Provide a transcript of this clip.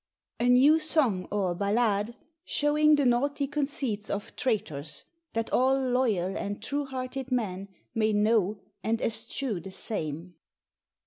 "A New Song, or Balade, shewing the naughty conceits of Traytours; that all loial and true hearted men may know and eschew the same.